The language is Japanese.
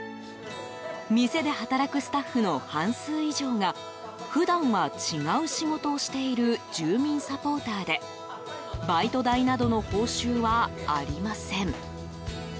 店で働くスタッフの半数以上が普段は違う仕事をしている住民サポーターでバイト代などの報酬はありません。